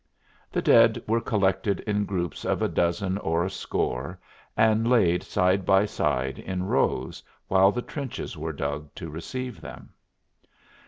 The dead were collected in groups of a dozen or a score and laid side by side in rows while the trenches were dug to receive them.